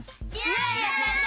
やった！